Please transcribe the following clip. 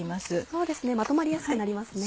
そうですねまとまりやすくなりますね。